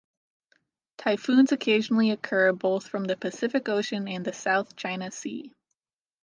Typhoons occasionally occur, both from the Pacific Ocean and the South China Sea.